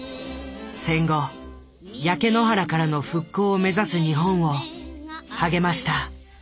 戦後焼け野原からの復興を目指す日本を励ました。